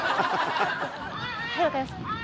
はい分かりました。